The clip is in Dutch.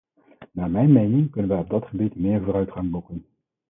Naar mijn mening kunnen wij op dat gebied meer vooruitgang boeken.